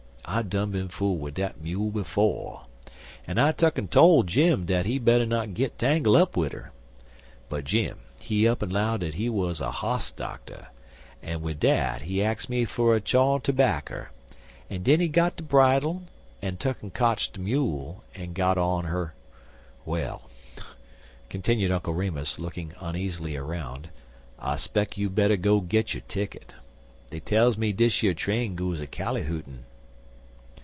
I done bin fool wid dat mule befo', an' I tuck'n tole Jim dat he better not git tangle up wid 'er; but Jim, he up'n 'low dat he wuz a hoss doctor, an' wid dat he ax me fer a chaw terbacker, en den he got de bridle, en tuck'n kotch de mule en got on her Well," continued Uncle Remus, looking uneasily around, "I speck you better go git yo' ticket. Dey tells me dish yer train goes a callyhootin'."